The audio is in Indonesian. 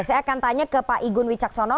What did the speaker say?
saya akan tanya ke pak igun wicaksono